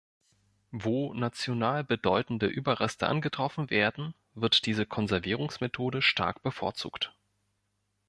Wo national bedeutende Überreste angetroffen werden, wird diese Konservierungsmethode stark bevorzugt.